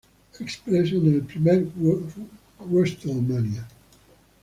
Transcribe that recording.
Express en el primer WrestleMania.